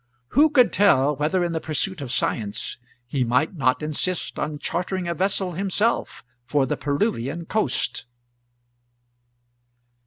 Who could tell whether in the pursuit of science he might not insist on chartering a vessel, himself, for the Peruvian coast?